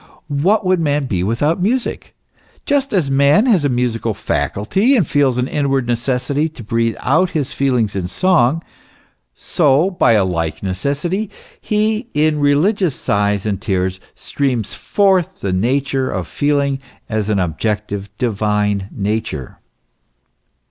But what would man be without music ? Just as man has a musical faculty and feels an inward necessity to breathe out his feelings in song ; so, by a like necessity, he in religious sighs and tears, streams forth the nature of feeling as an objective, divine nature.